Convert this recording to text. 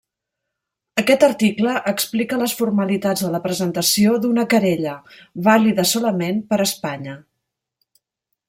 Aquest article explica les formalitats de la presentació d'una querella, vàlida solament per a Espanya.